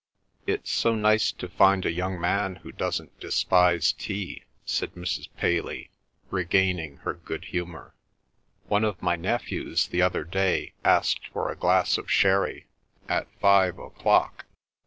"It's so nice to find a young man who doesn't despise tea," said Mrs. Paley, regaining her good humour. "One of my nephews the other day asked for a glass of sherry—at five o'clock!